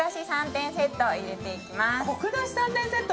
３点セット入れていきます。